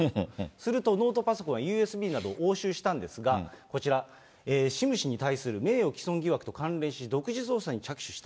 すると、ノートパソコン、ＵＳＢなどを押収したんですが、こちら、シム氏に対する名誉毀損疑惑と関連し、独自捜査に着手した。